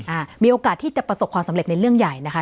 อ่ามีโอกาสที่จะประสบความสำเร็จในเรื่องใหญ่นะคะ